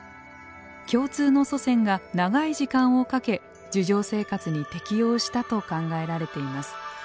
共通の祖先が長い時間をかけ樹上生活に適応したと考えられています。